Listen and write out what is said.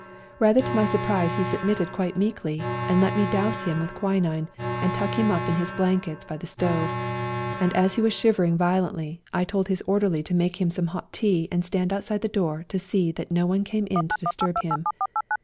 Rather to my surprise he submitted quite meekly, and let me dose him with quinine, and tuck him up in his blankets by the stove, and as he was shivering violently I told his orderly to make him some hot tea and stand outside the door to see that no one came in to disturb him.